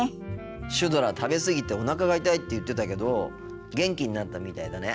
シュドラ食べ過ぎておなかが痛いって言ってたけど元気になったみたいだね。